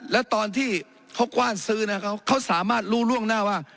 แล้วตอนที่เขากว้านซื้อนะเขาสามารถรู้ล่วงหน้าว่า